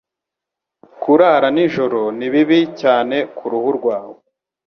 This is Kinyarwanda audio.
Kurara nijoro ni bibi cyane kuruhu rwawe